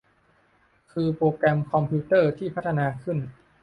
คือโปรแกรมคอมพิวเตอร์ที่พัฒนาขึ้น